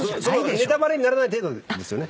ネタバレにならない程度ですよね。